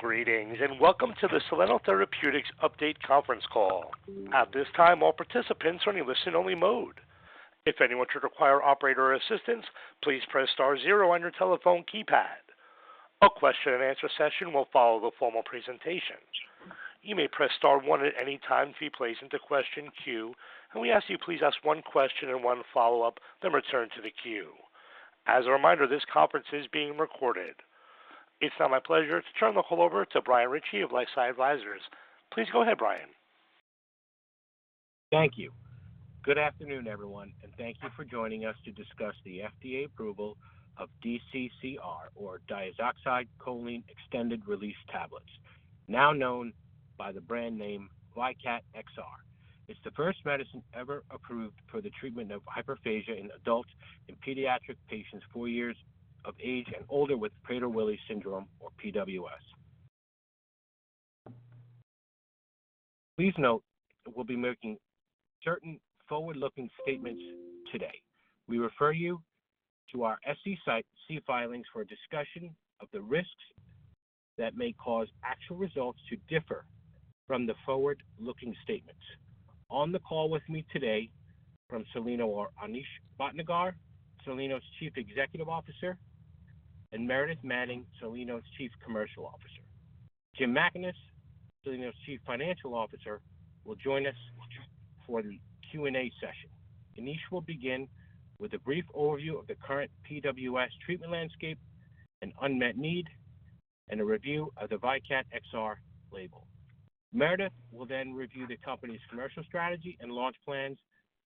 Greetings and welcome to the Soleno Therapeutics update conference call. At this time, all participants are in a listen-only mode. If anyone should require operator assistance, please press star zero on your telephone keypad. A question-and-answer session will follow the formal presentation. You may press star one at any time to be placed into question queue, and we ask that you please ask one question and one follow-up, then return to the queue. As a reminder, this conference is being recorded. It's now my pleasure to turn the call over to Brian Ritchie of LifeSci Advisors. Please go ahead, Brian. Thank you. Good afternoon, everyone, and thank you for joining us to discuss the FDA approval of DCCR, or diazoxide choline extended-release tablets, now known by the brand name VYKAT XR. It's the first medicine ever approved for the treatment of hyperphagia in adults and pediatric patients four years of age and older with Prader-Willi syndrome, or PWS. Please note that we'll be making certain forward-looking statements today. We refer you to our SEC filings for a discussion of the risks that may cause actual results to differ from the forward-looking statements. On the call with me today from Soleno are Anish Bhatnagar, Soleno's Chief Executive Officer, and Meredith Manning, Soleno's Chief Commercial Officer. Jim MacKaness, Soleno's Chief Financial Officer, will join us for the Q&A session. Anish will begin with a brief overview of the current PWS treatment landscape and unmet need, and a review of the VYKAT XR label. Meredith will then review the company's commercial strategy and launch plans,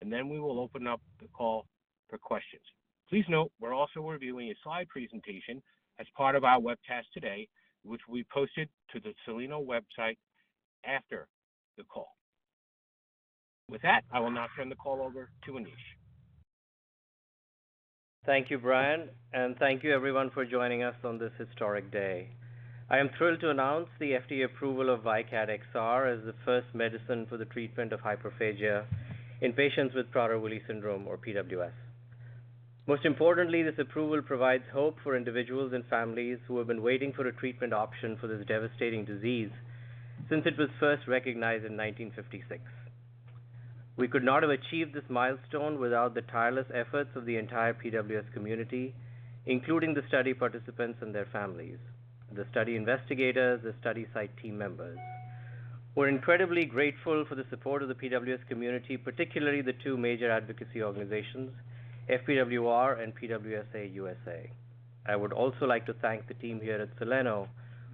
and then we will open up the call for questions. Please note we're also reviewing a slide presentation as part of our webcast today, which we posted to the Soleno website after the call. With that, I will now turn the call over to Anish. Thank you, Brian, and thank you, everyone, for joining us on this historic day. I am thrilled to announce the FDA approval of VYKAT XR as the first medicine for the treatment of hyperphagia in patients with Prader-Willi syndrome, or PWS. Most importantly, this approval provides hope for individuals and families who have been waiting for a treatment option for this devastating disease since it was first recognized in 1956. We could not have achieved this milestone without the tireless efforts of the entire PWS community, including the study participants and their families, the study investigators, the study site team members. We're incredibly grateful for the support of the PWS community, particularly the two major advocacy organizations, FPWR and PWSA USA. I would also like to thank the team here at Soleno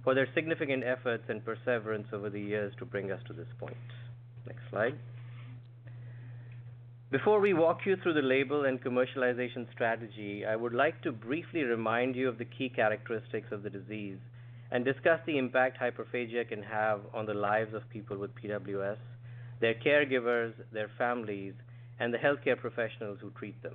for their significant efforts and perseverance over the years to bring us to this point. Next slide. Before we walk you through the label and commercialization strategy, I would like to briefly remind you of the key characteristics of the disease and discuss the impact hyperphagia can have on the lives of people with PWS, their caregivers, their families, and the healthcare professionals who treat them.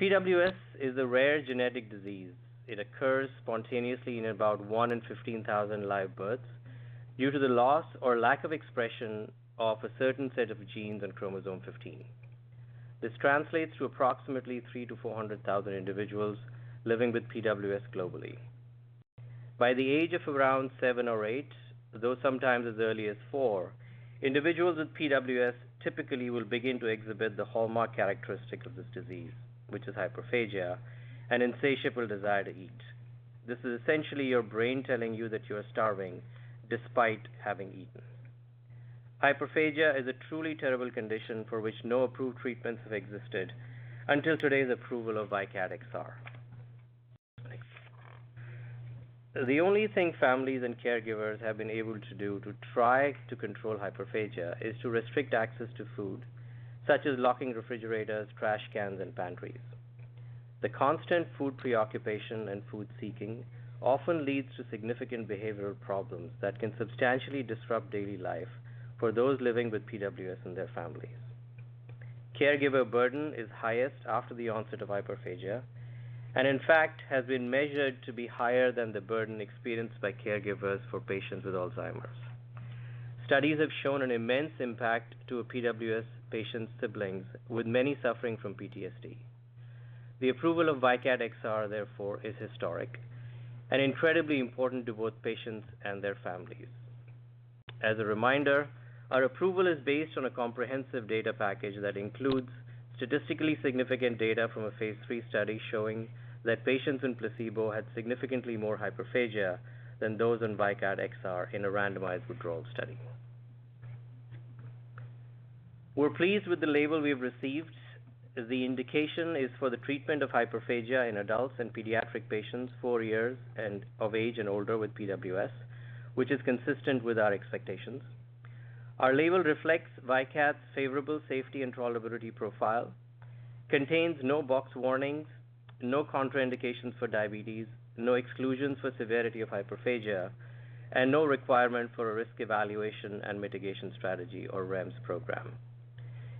PWS is a rare genetic disease. It occurs spontaneously in about 1 in 15,000 live births due to the loss or lack of expression of a certain set of genes on chromosome 15. This translates to approximately 300,000-400,000 individuals living with PWS globally. By the age of around seven or eight, though sometimes as early as four, individuals with PWS typically will begin to exhibit the hallmark characteristic of this disease, which is hyperphagia, and insatiable desire to eat. This is essentially your brain telling you that you are starving despite having eaten. Hyperphagia is a truly terrible condition for which no approved treatments have existed until today's approval of VYKAT XR. The only thing families and caregivers have been able to do to try to control hyperphagia is to restrict access to food, such as locking refrigerators, trash cans, and pantries. The constant food preoccupation and food seeking often leads to significant behavioral problems that can substantially disrupt daily life for those living with PWS and their families. Caregiver burden is highest after the onset of hyperphagia, and in fact, has been measured to be higher than the burden experienced by caregivers for patients with Alzheimer's. Studies have shown an immense impact to a PWS patient's siblings, with many suffering from PTSD. The approval of VYKAT XR, therefore, is historic and incredibly important to both patients and their families. As a reminder, our approval is based on a comprehensive data package that includes statistically significant data from a phase three study showing that patients in placebo had significantly more hyperphagia than those on VYKAT XR in a randomized withdrawal study. We're pleased with the label we've received. The indication is for the treatment of hyperphagia in adults and pediatric patients four years of age and older with PWS, which is consistent with our expectations. Our label reflects Vykat's favorable safety and tolerability profile, contains no box warnings, no contraindications for diabetes, no exclusions for severity of hyperphagia, and no requirement for a risk evaluation and mitigation strategy, or REMS program.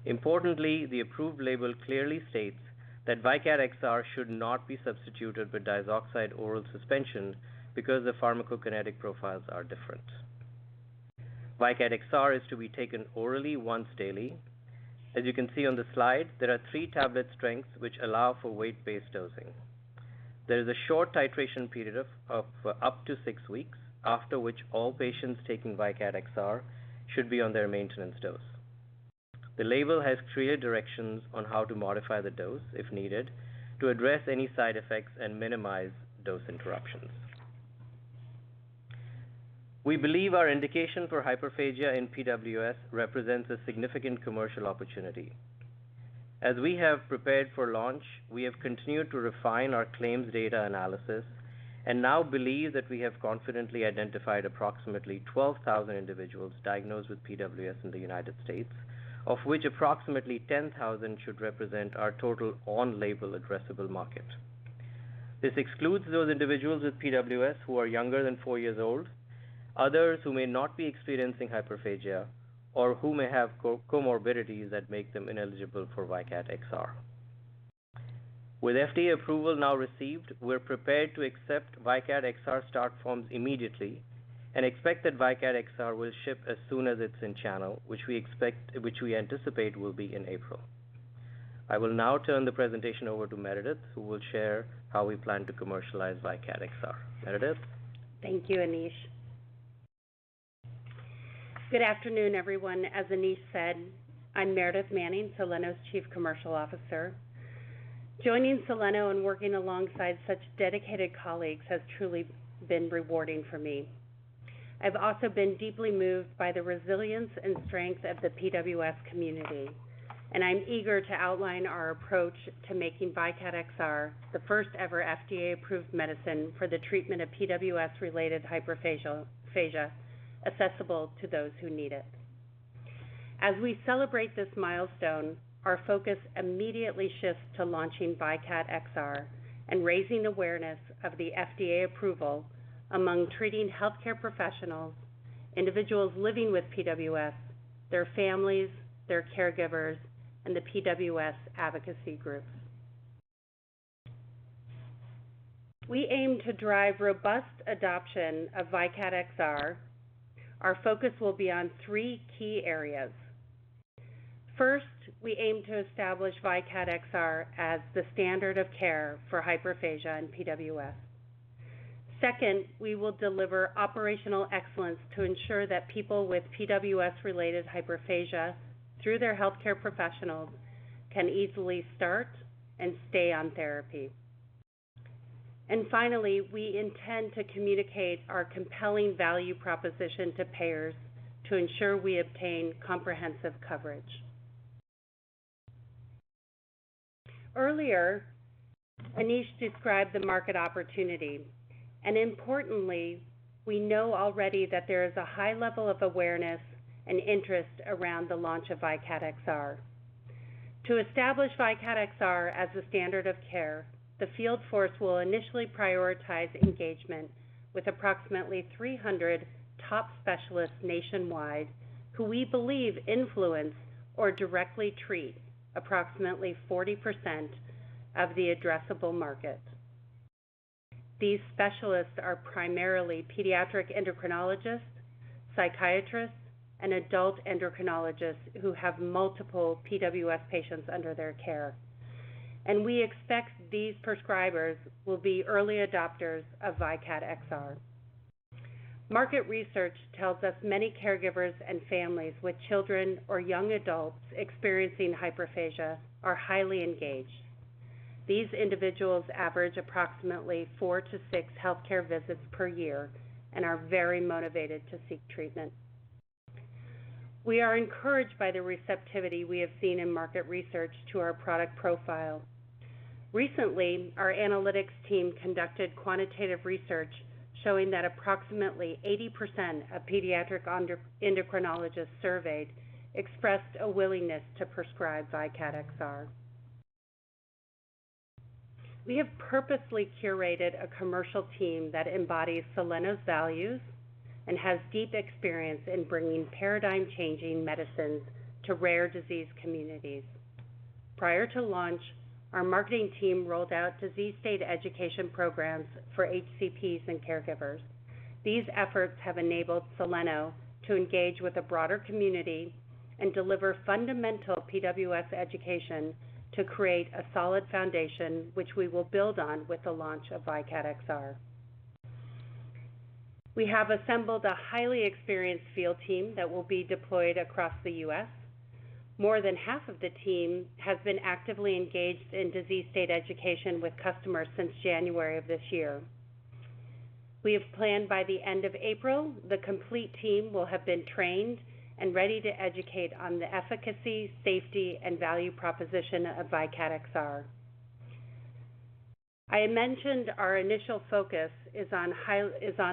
Importantly, the approved label clearly states that VYKAT XR should not be substituted with diazoxide oral suspension because the pharmacokinetic profiles are different. VYKAT XR is to be taken orally once daily. As you can see on the slide, there are three tablet strengths which allow for weight-based dosing. There is a short titration period of up to six weeks, after which all patients taking VYKAT XR should be on their maintenance dose. The label has clear directions on how to modify the dose if needed to address any side effects and minimize dose interruptions. We believe our indication for hyperphagia in PWS represents a significant commercial opportunity. As we have prepared for launch, we have continued to refine our claims data analysis and now believe that we have confidently identified approximately 12,000 individuals diagnosed with PWS in the United States, of which approximately 10,000 should represent our total on-label addressable market. This excludes those individuals with PWS who are younger than four years old, others who may not be experiencing hyperphagia, or who may have comorbidities that make them ineligible for VYKAT XR. With FDA approval now received, we're prepared to accept VYKAT XR start forms immediately and expect that VYKAT XR will ship as soon as it's in channel, which we anticipate will be in April. I will now turn the presentation over to Meredith, who will share how we plan to commercialize VYKAT XR. Meredith. Thank you, Anish. Good afternoon, everyone. As Anish said, I'm Meredith Manning, Soleno's Chief Commercial Officer. Joining Soleno and working alongside such dedicated colleagues has truly been rewarding for me. I've also been deeply moved by the resilience and strength of the PWS community, and I'm eager to outline our approach to making VYKAT XR the first ever FDA-approved medicine for the treatment of PWS-related hyperphagia accessible to those who need it. As we celebrate this milestone, our focus immediately shifts to launching VYKAT XR and raising awareness of the FDA approval among treating healthcare professionals, individuals living with PWS, their families, their caregivers, and the PWS advocacy groups. We aim to drive robust adoption of VYKAT XR. Our focus will be on three key areas. First, we aim to establish VYKAT XR as the standard of care for hyperphagia in PWS. Second, we will deliver operational excellence to ensure that people with PWS-related hyperphagia, through their healthcare professionals, can easily start and stay on therapy. Finally, we intend to communicate our compelling value proposition to payers to ensure we obtain comprehensive coverage. Earlier, Anish described the market opportunity, and importantly, we know already that there is a high level of awareness and interest around the launch of VYKAT XR. To establish VYKAT XR as the standard of care, the field force will initially prioritize engagement with approximately 300 top specialists nationwide who we believe influence or directly treat approximately 40% of the addressable market. These specialists are primarily pediatric endocrinologists, psychiatrists, and adult endocrinologists who have multiple PWS patients under their care. We expect these prescribers will be early adopters of VYKAT XR. Market research tells us many caregivers and families with children or young adults experiencing hyperphagia are highly engaged. These individuals average approximately four to six healthcare visits per year and are very motivated to seek treatment. We are encouraged by the receptivity we have seen in market research to our product profile. Recently, our analytics team conducted quantitative research showing that approximately 80% of pediatric endocrinologists surveyed expressed a willingness to prescribe VYKAT XR. We have purposely curated a commercial team that embodies Soleno's values and has deep experience in bringing paradigm-changing medicines to rare disease communities. Prior to launch, our marketing team rolled out disease state education programs for HCPs and caregivers. These efforts have enabled Soleno to engage with a broader community and deliver fundamental PWS education to create a solid foundation, which we will build on with the launch of VYKAT XR. We have assembled a highly experienced field team that will be deployed across the U.S. More than half of the team has been actively engaged in disease state education with customers since January of this year. We have planned by the end of April, the complete team will have been trained and ready to educate on the efficacy, safety, and value proposition of VYKAT XR. I mentioned our initial focus is on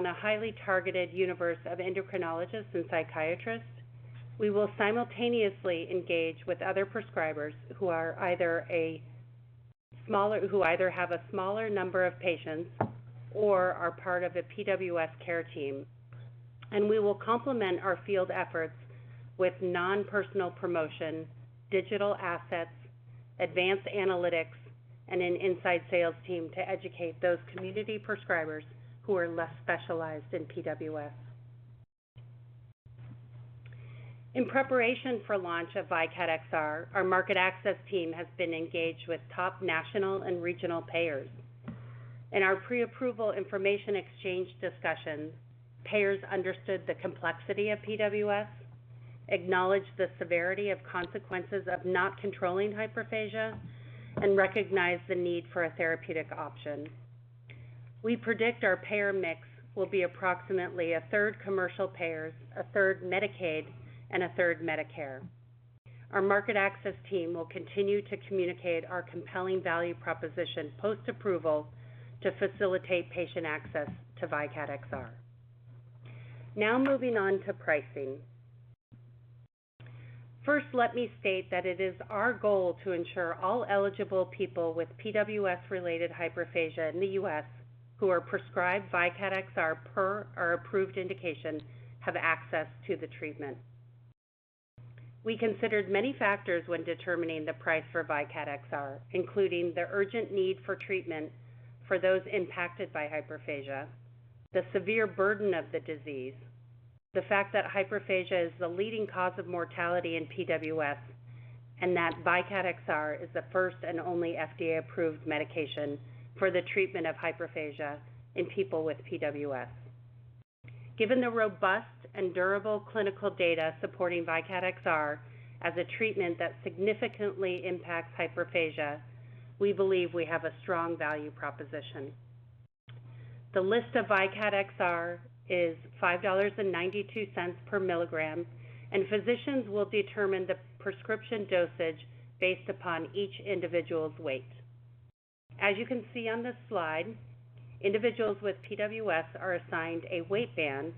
a highly targeted universe of endocrinologists and psychiatrists. We will simultaneously engage with other prescribers who either have a smaller number of patients or are part of a PWS care team. We will complement our field efforts with non-personal promotion, digital assets, advanced analytics, and an inside sales team to educate those community prescribers who are less specialized in PWS. In preparation for launch of VYKAT XR, our market access team has been engaged with top national and regional payers. In our pre-approval information exchange discussion, payers understood the complexity of PWS, acknowledged the severity of consequences of not controlling hyperphagia, and recognized the need for a therapeutic option. We predict our payer mix will be approximately a third commercial payers, a third Medicaid, and a third Medicare. Our market access team will continue to communicate our compelling value proposition post-approval to facilitate patient access to VYKAT XR. Now moving on to pricing. First, let me state that it is our goal to ensure all eligible people with PWS-related hyperphagia in the U.S. who are prescribed VYKAT XR per our approved indication have access to the treatment. We considered many factors when determining the price for VYKAT XR, including the urgent need for treatment for those impacted by hyperphagia, the severe burden of the disease, the fact that hyperphagia is the leading cause of mortality in PWS, and that VYKAT XR is the first and only FDA-approved medication for the treatment of hyperphagia in people with PWS. Given the robust and durable clinical data supporting VYKAT XR as a treatment that significantly impacts hyperphagia, we believe we have a strong value proposition. The list of VYKAT XR is $5.92 per milligram, and physicians will determine the prescription dosage based upon each individual's weight. As you can see on this slide, individuals with PWS are assigned a weight band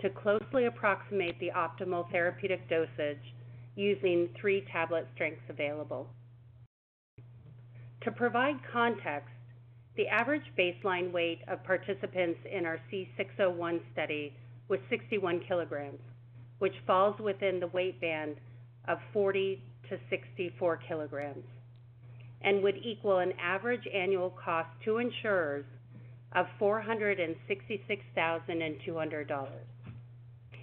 to closely approximate the optimal therapeutic dosage using three tablet strengths available. To provide context, the average baseline weight of participants in our C601 study was 61 kg, which falls within the weight band of 40-64 kg, and would equal an average annual cost to insurers of $466,200.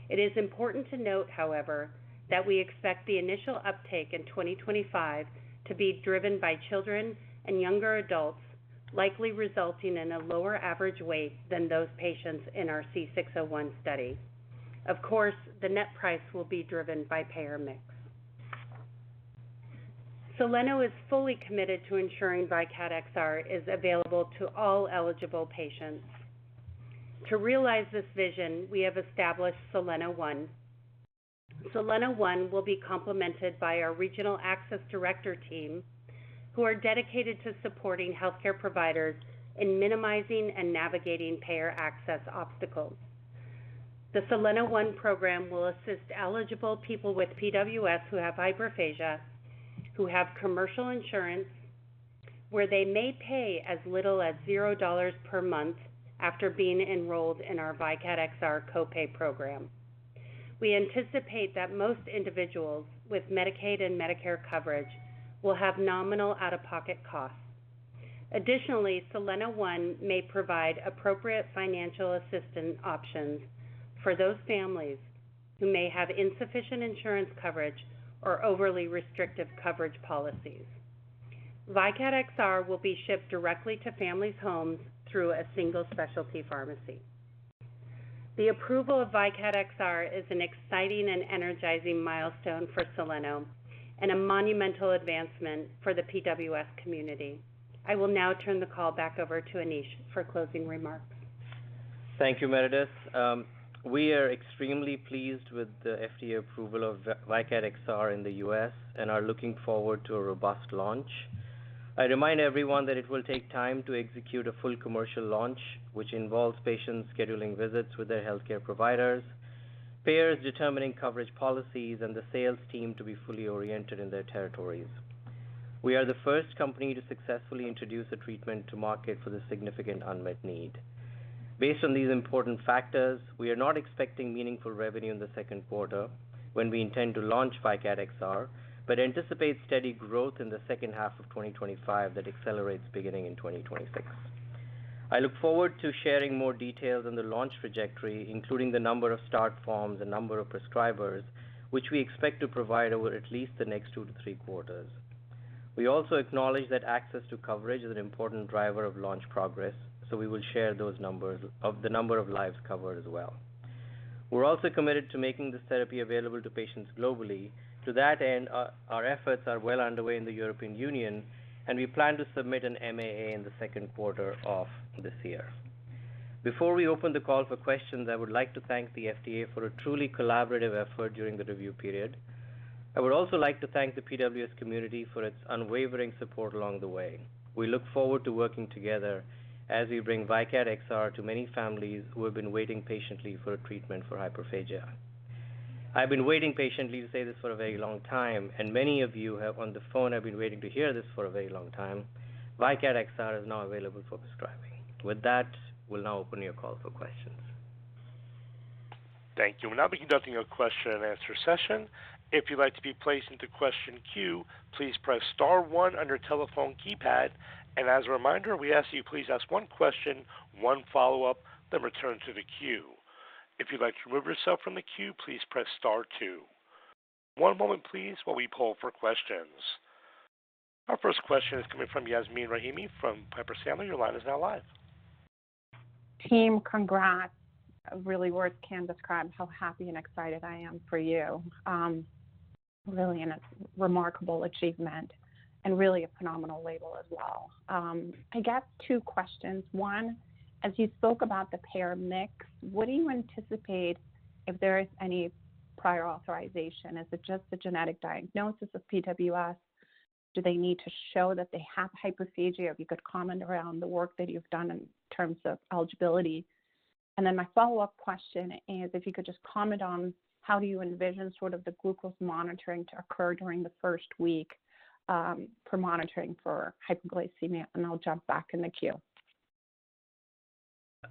It is important to note, however, that we expect the initial uptake in 2025 to be driven by children and younger adults, likely resulting in a lower average weight than those patients in our C601 study. Of course, the net price will be driven by payer mix. Soleno is fully committed to ensuring VYKAT XR is available to all eligible patients. To realize this vision, we have established Soleno One. Soleno One will be complemented by our regional access director team, who are dedicated to supporting healthcare providers in minimizing and navigating payer access obstacles. The Soleno One program will assist eligible people with PWS who have hyperphagia, who have commercial insurance, where they may pay as little as $0 per month after being enrolled in our VYKAT XR copay program. We anticipate that most individuals with Medicaid and Medicare coverage will have nominal out-of-pocket costs. Additionally, Soleno One may provide appropriate financial assistance options for those families who may have insufficient insurance coverage or overly restrictive coverage policies. VYKAT XR will be shipped directly to families' homes through a single specialty pharmacy. The approval of VYKAT XR is an exciting and energizing milestone for Soleno and a monumental advancement for the PWS community. I will now turn the call back over to Anish for closing remarks. Thank you, Meredith. We are extremely pleased with the FDA approval of VYKAT XR in the U.S. and are looking forward to a robust launch. I remind everyone that it will take time to execute a full commercial launch, which involves patients scheduling visits with their healthcare providers, payers determining coverage policies, and the sales team to be fully oriented in their territories. We are the first company to successfully introduce a treatment to market for this significant unmet need. Based on these important factors, we are not expecting meaningful revenue in the second quarter when we intend to launch VYKAT XR, but anticipate steady growth in the second half of 2025 that accelerates beginning in 2026. I look forward to sharing more details on the launch trajectory, including the number of start forms and number of prescribers, which we expect to provide over at least the next two to three quarters. We also acknowledge that access to coverage is an important driver of launch progress, so we will share those numbers of the number of lives covered as well. We are also committed to making this therapy available to patients globally. To that end, our efforts are well underway in the European Union, and we plan to submit an MAA in the second quarter of this year. Before we open the call for questions, I would like to thank the FDA for a truly collaborative effort during the review period. I would also like to thank the PWS community for its unwavering support along the way. We look forward to working together as we bring VYKAT XR to many families who have been waiting patiently for a treatment for hyperphagia. I've been waiting patiently to say this for a very long time, and many of you on the phone have been waiting to hear this for a very long time. VYKAT XR is now available for prescribing. With that, we'll now open your call for questions. Thank you. We'll now be conducting a question-and-answer session. If you'd like to be placed into question queue, please press Star one on your telephone keypad. As a reminder, we ask that you please ask one question, one follow-up, then return to the queue. If you'd like to remove yourself from the queue, please press Star two. One moment, please, while we pull for questions. Our first question is coming from Yasmeen Rahimi from Piper Sandler. Your line is now live. Team, congrats. Really words can't describe how happy and excited I am for you. Really, and it's a remarkable achievement and really a phenomenal label as well. I got two questions. One, as you spoke about the payer mix, what do you anticipate if there is any prior authorization? Is it just the genetic diagnosis of PWS? Do they need to show that they have hyperphagia? If you could comment around the work that you've done in terms of eligibility. My follow-up question is, if you could just comment on how do you envision sort of the glucose monitoring to occur during the first week for monitoring for hyperglycemia, and I'll jump back in the queue.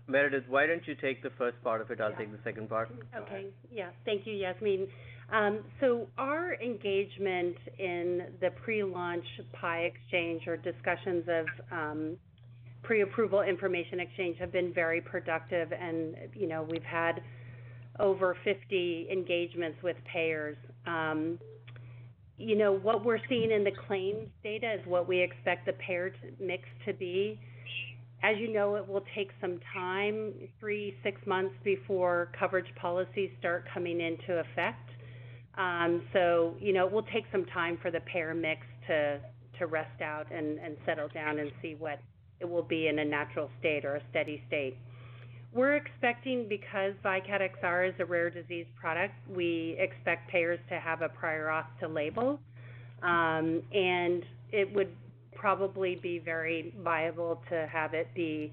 Meredith, why don't you take the first part of it? I'll take the second part. Okay. Yeah. Thank you, Yasmeen. Our engagement in the pre-launch PIE exchange or discussions of pre-approval information exchange have been very productive, and we've had over 50 engagements with payers. What we're seeing in the claims data is what we expect the payer mix to be. As you know, it will take some time, three to six months before coverage policies start coming into effect. It will take some time for the payer mix to rest out and settle down and see what it will be in a natural state or a steady state. We're expecting, because VYKAT XR is a rare disease product, we expect payers to have a prior auth to label, and it would probably be very viable to have it be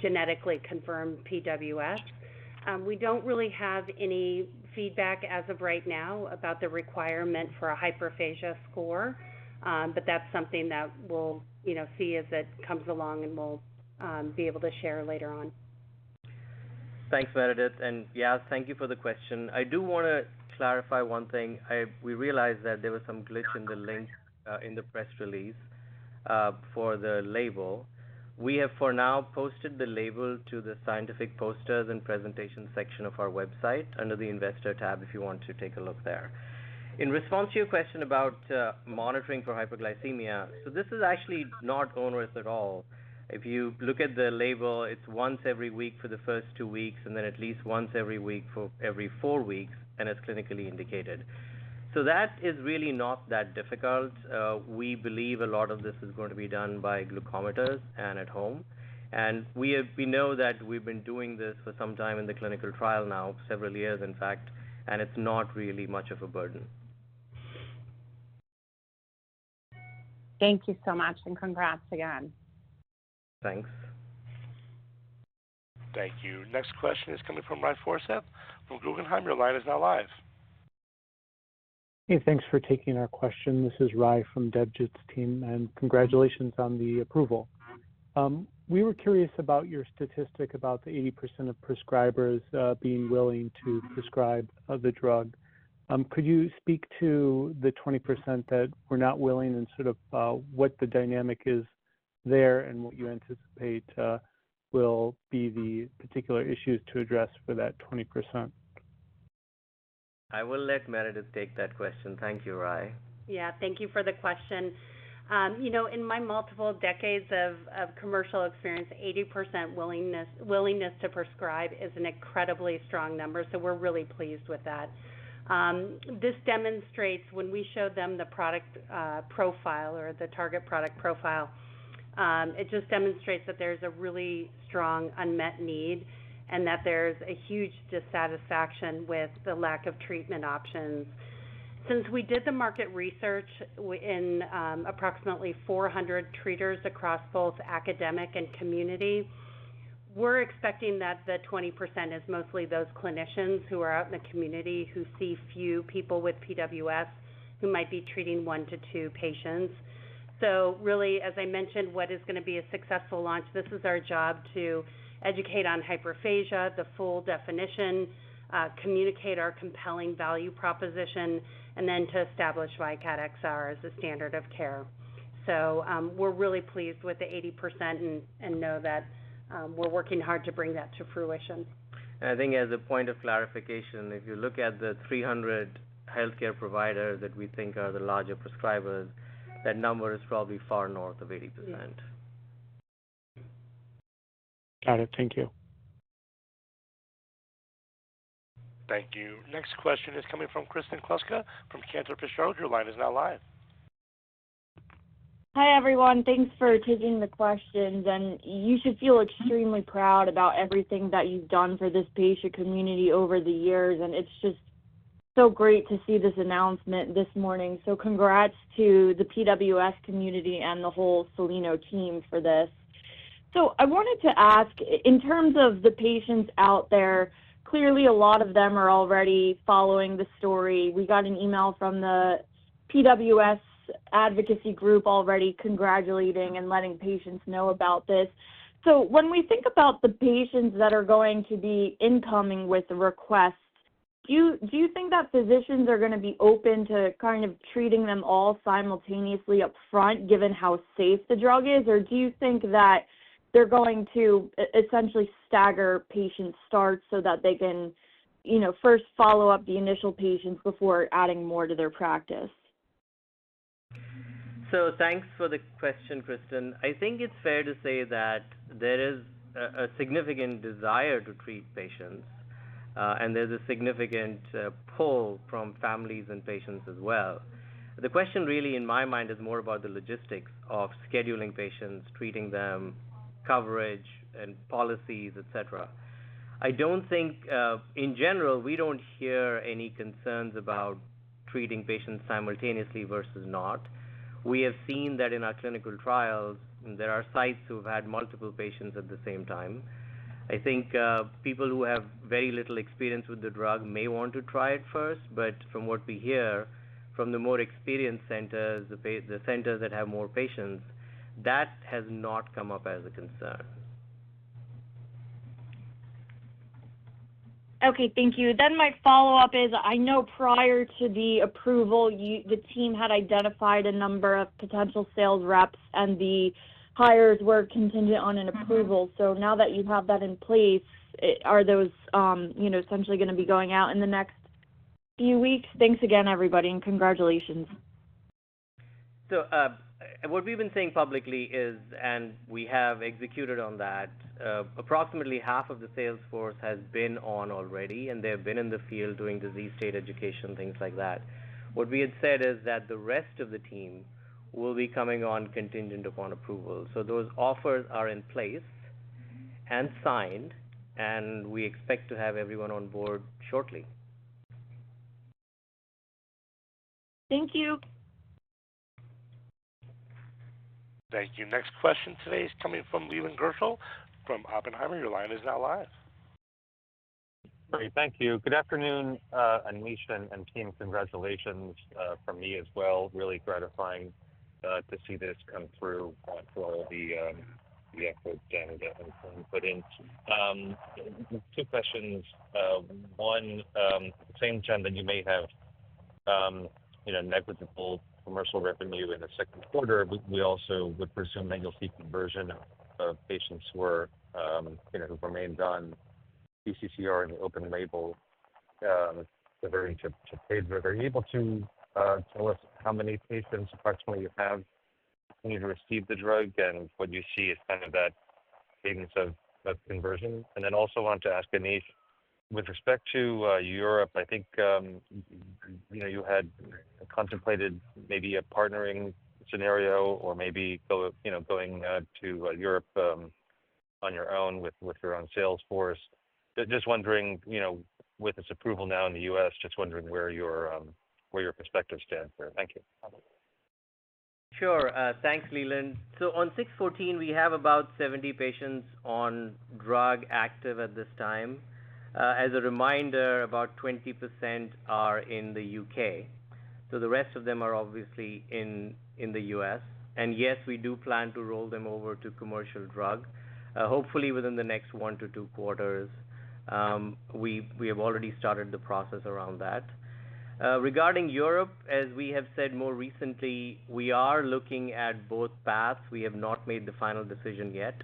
genetically confirmed PWS. We do not really have any feedback as of right now about the requirement for a hyperphagia score, but that is something that we will see as it comes along and we will be able to share later on. Thanks, Meredith. Yeah, thank you for the question. I do want to clarify one thing. We realized that there was some glitch in the link in the press release for the label. We have for now posted the label to the scientific posters and presentation section of our website under the investor tab if you want to take a look there. In response to your question about monitoring for hyperglycemia, this is actually not onerous at all. If you look at the label, it is once every week for the first two weeks and then at least once every week for every four weeks, and it is clinically indicated. That is really not that difficult. We believe a lot of this is going to be done by glucometers and at home. We know that we've been doing this for some time in the clinical trial now, several years, in fact, and it's not really much of a burden. Thank you so much, and congrats again. Thanks. Thank you. Next question is coming from Ry Forseth from Guggenheim. Your line is now live. Hey, thanks for taking our question. This is Ry from DebJit's team, and congratulations on the approval. We were curious about your statistic about the 80% of prescribers being willing to prescribe the drug. Could you speak to the 20% that were not willing and sort of what the dynamic is there and what you anticipate will be the particular issues to address for that 20%? I will let Meredith take that question. Thank you, Ry. Yeah, thank you for the question. In my multiple decades of commercial experience, 80% willingness to prescribe is an incredibly strong number, so we're really pleased with that. This demonstrates when we show them the product profile or the target product profile, it just demonstrates that there's a really strong unmet need and that there's a huge dissatisfaction with the lack of treatment options. Since we did the market research in approximately 400 treaters across both academic and community, we're expecting that the 20% is mostly those clinicians who are out in the community who see few people with PWS who might be treating one to two patients. Really, as I mentioned, what is going to be a successful launch? This is our job to educate on hyperphagia, the full definition, communicate our compelling value proposition, and then to establish VYKAT XR as a standard of care. We're really pleased with the 80% and know that we're working hard to bring that to fruition. I think as a point of clarification, if you look at the 300 healthcare providers that we think are the larger prescribers, that number is probably far north of 80%. Got it. Thank you. Thank you. Next question is coming from Kristen Kluska from Cantor Fitzgerald. Your line is now live. Hi, everyone. Thanks for taking the questions. You should feel extremely proud about everything that you've done for this patient community over the years. It's just so great to see this announcement this morning. Congrats to the PWS community and the whole Soleno team for this. I wanted to ask, in terms of the patients out there, clearly a lot of them are already following the story. We got an email from the PWS advocacy group already congratulating and letting patients know about this. When we think about the patients that are going to be incoming with the request, do you think that physicians are going to be open to kind of treating them all simultaneously upfront given how safe the drug is? Do you think that they're going to essentially stagger patient starts so that they can first follow up the initial patients before adding more to their practice? Thanks for the question, Kristen. I think it's fair to say that there is a significant desire to treat patients, and there's a significant pull from families and patients as well. The question really, in my mind, is more about the logistics of scheduling patients, treating them, coverage, and policies, etc. I don't think, in general, we don't hear any concerns about treating patients simultaneously versus not. We have seen that in our clinical trials, there are sites who have had multiple patients at the same time. I think people who have very little experience with the drug may want to try it first, but from what we hear from the more experienced centers, the centers that have more patients, that has not come up as a concern. Okay. Thank you. My follow-up is, I know prior to the approval, the team had identified a number of potential sales reps, and the hires were contingent on an approval. Now that you have that in place, are those essentially going to be going out in the next few weeks? Thanks again, everybody, and congratulations. What we've been saying publicly is, and we have executed on that, approximately half of the sales force has been on already, and they have been in the field doing disease state education, things like that. What we had said is that the rest of the team will be coming on contingent upon approval. Those offers are in place and signed, and we expect to have everyone on board shortly. Thank you. Thank you. Next question today is coming from Leland Gershell from Oppenheimer. Your line is now live. Great. Thank you. Good afternoon, Anish and team. Congratulations from me as well. Really gratifying to see this come through for all the efforts and input in. Two questions. One, same time that you may have negligible commercial revenue in the second quarter, we also would presume that you'll see conversion of patients who remained on DCCR in the open label to pay. Are you able to tell us how many patients approximately you have continued to receive the drug, and what you see is kind of that cadence of conversion? Also want to ask Anish, with respect to Europe, I think you had contemplated maybe a partnering scenario or maybe going to Europe on your own with your own sales force. Just wondering, with this approval now in the U.S., just wondering where your perspective stands there. Thank you. Sure. Thanks, Leland. On 614, we have about 70 patients on drug active at this time. As a reminder, about 20% are in the U.K. The rest of them are obviously in the U.S. Yes, we do plan to roll them over to commercial drug, hopefully within the next one to two quarters. We have already started the process around that. Regarding Europe, as we have said more recently, we are looking at both paths. We have not made the final decision yet.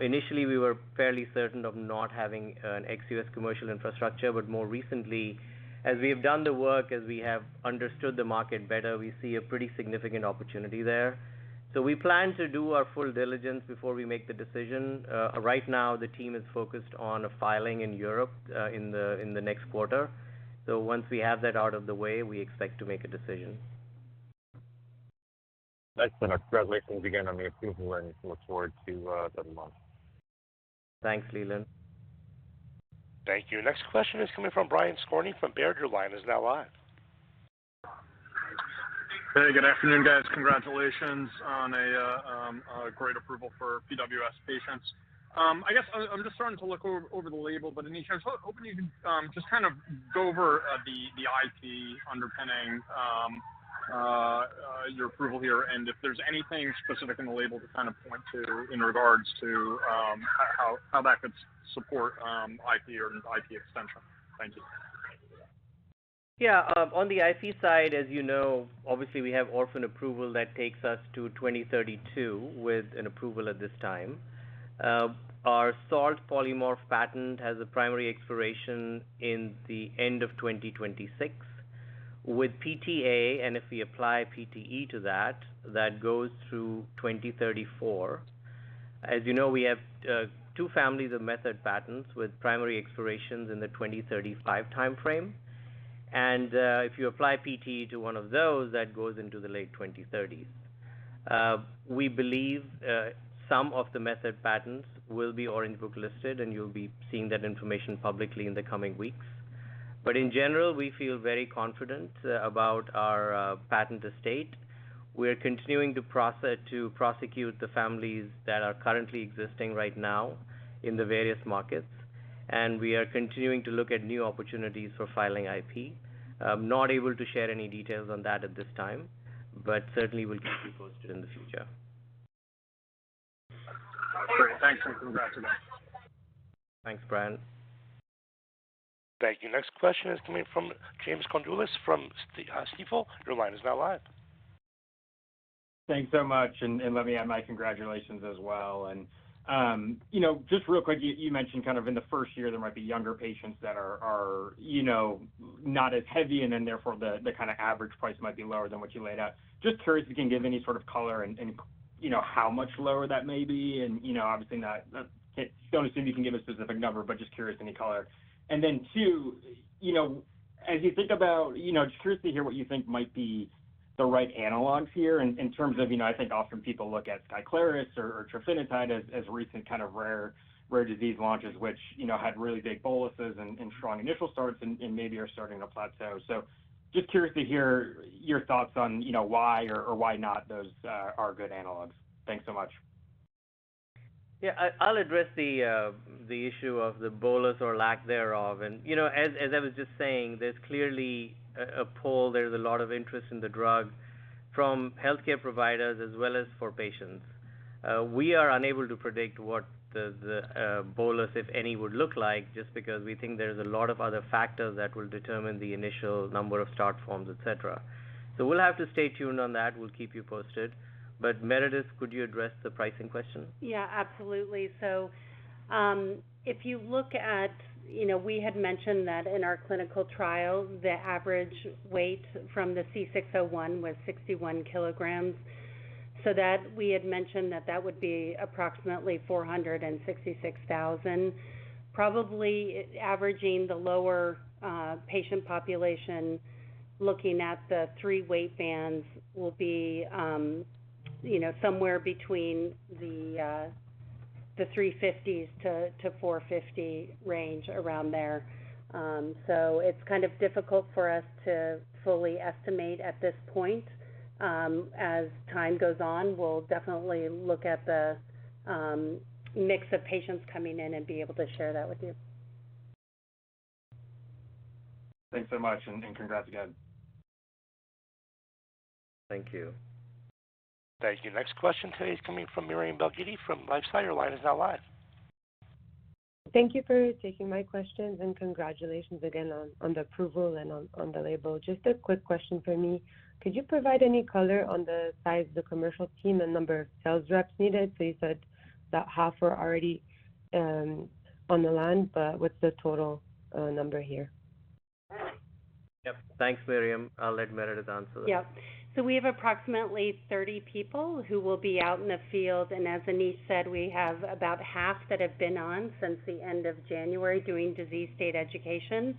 Initially, we were fairly certain of not having an ex-U.S. commercial infrastructure, but more recently, as we have done the work, as we have understood the market better, we see a pretty significant opportunity there. We plan to do our full diligence before we make the decision. Right now, the team is focused on a filing in Europe in the next quarter. Once we have that out of the way, we expect to make a decision. Excellent. Congratulations again on the approval, and we look forward to the month. Thanks, Leland. Thank you. Next question is coming from Brian Skorney from Baird. Your line is now live. Hey, good afternoon, guys. Congratulations on a great approval for PWS patients. I guess I'm just starting to look over the label, but Anish, I was hoping you could just kind of go over the IP underpinning your approval here and if there's anything specific in the label to kind of point to in regards to how that could support IP or IP extension. Thank you. Yeah. On the IP side, as you know, obviously we have orphan approval that takes us to 2032 with an approval at this time. Our Salt polymorph patent has a primary expiration in the end of 2026. With PTA, and if we apply PTE to that, that goes through 2034. As you know, we have two families of method patents with primary expirations in the 2035 timeframe. If you apply PTE to one of those, that goes into the late 2030s. We believe some of the method patents will be Orange Book listed, and you'll be seeing that information publicly in the coming weeks. In general, we feel very confident about our patent estate. We're continuing to prosecute the families that are currently existing right now in the various markets, and we are continuing to look at new opportunities for filing IP. I'm not able to share any details on that at this time, but certainly we'll keep you posted in the future. Great. Thanks, and congrats again. Thanks, Brian. Thank you. Next question is coming from James Condulis from Stifel. Your line is now live. Thanks so much. Let me add my congratulations as well. Just real quick, you mentioned kind of in the first year, there might be younger patients that are not as heavy, and therefore the kind of average price might be lower than what you laid out. Just curious if you can give any sort of color on how much lower that may be. Obviously, I do not assume you can give a specific number, but just curious any color. Two, as you think about, just curious to hear what you think might be the right analogs here in terms of I think often people look at Skyclarys or trofinetide as recent kind of rare disease launches, which had really big boluses and strong initial starts and maybe are starting to plateau. Just curious to hear your thoughts on why or why not those are good analogs. Thanks so much. Yeah. I'll address the issue of the bolus or lack thereof. As I was just saying, there's clearly a pull. There's a lot of interest in the drug from healthcare providers as well as for patients. We are unable to predict what the bolus, if any, would look like just because we think there's a lot of other factors that will determine the initial number of start forms, etc. We will have to stay tuned on that. We'll keep you posted. Meredith, could you address the pricing question? Yeah, absolutely. If you look at we had mentioned that in our clinical trial, the average weight from the C601 was 61 kg. We had mentioned that that would be approximately $466,000. Probably averaging the lower patient population, looking at the three weight bands, will be somewhere between the $350,000-$450,000 range, around there. It is kind of difficult for us to fully estimate at this point. As time goes on, we will definitely look at the mix of patients coming in and be able to share that with you. Thanks so much, and congrats again. Thank you. Thank you. Next question today is coming from Myriam Belghiti from LifeSci. Your line is now live. Thank you for taking my questions, and congratulations again on the approval and on the label. Just a quick question for me. Could you provide any color on the size of the commercial team and number of sales reps needed? You said that half were already on the land, but what's the total number here? Yep. Thanks, Miriam. I'll let Meredith answer that. Yeah. We have approximately 30 people who will be out in the field. As Anish said, we have about half that have been on since the end of January doing disease state education.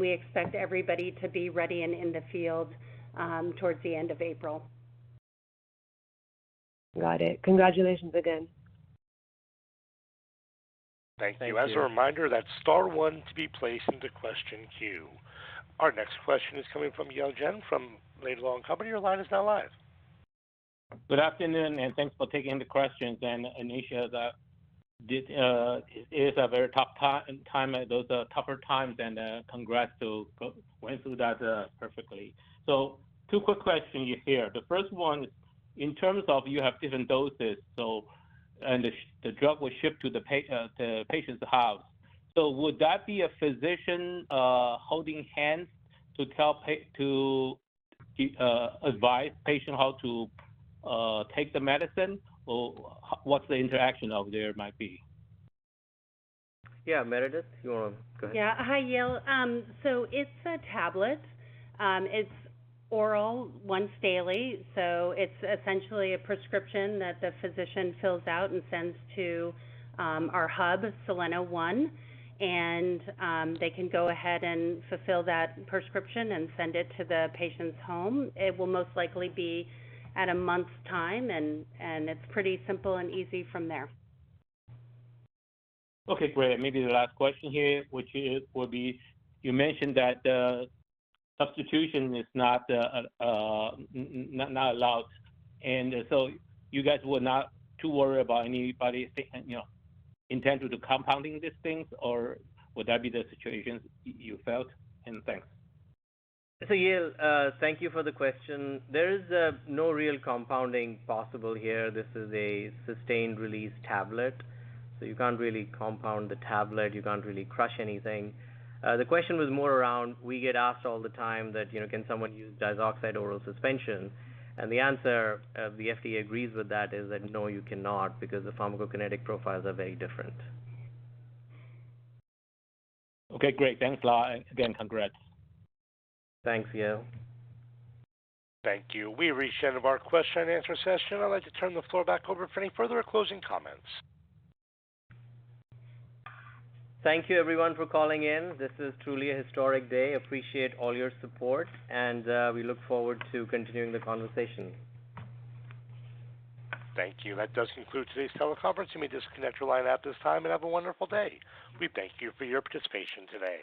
We expect everybody to be ready and in the field towards the end of April. Got it. Congratulations again. Thank you. As a reminder, that is star one to be placed into question queue. Our next question is coming from Yel jen from Leerink Partners. Your line is now live. Good afternoon, and thanks for taking the questions. Anish, it is a very tough time, those tougher times, and congrats to went through that perfectly. Two quick questions here. The first one is in terms of you have different doses, and the drug was shipped to the patient's house. Would that be a physician holding hands to advise patients how to take the medicine, or what's the interaction of there might be? Yeah. Meredith, you want to go ahead. Yeah. Hi, Yel. It is a tablet. It is oral once daily. It is essentially a prescription that the physician fills out and sends to our hub, Soleno One. They can go ahead and fulfill that prescription and send it to the patient's home. It will most likely be at a month's time, and it is pretty simple and easy from there. Okay. Great. Maybe the last question here, which will be, you mentioned that substitution is not allowed. You guys were not too worried about anybody's intent to do compounding these things, or would that be the situation you felt? Thanks. Yel, thank you for the question. There is no real compounding possible here. This is a sustained-release tablet. You can't really compound the tablet. You can't really crush anything. The question was more around, we get asked all the time that can someone use diazoxide oral suspension. The answer, the FDA agrees with that, is that no, you cannot because the pharmacokinetic profiles are very different. Okay. Great. Thanks, Yel. And again, congrats. Thanks, Yel. Thank you. We reached the end of our question-and-answer session. I'd like to turn the floor back over for any further or closing comments. Thank you, everyone, for calling in. This is truly a historic day. Appreciate all your support, and we look forward to continuing the conversation. Thank you. That does conclude today's teleconference. You may disconnect your line at this time and have a wonderful day. We thank you for your participation today.